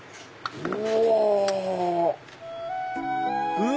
うわ！